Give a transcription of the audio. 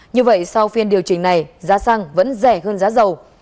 như vậy sau phiên điều chỉnh này giá xăng vẫn rẻ hơn giá dầu